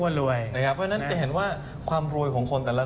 ว่ารวยนะครับเพราะฉะนั้นจะเห็นว่าความรวยของคนแต่ละ